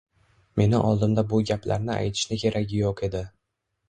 Meni oldimda bu gaplarni aytishni keragi yo'q edi.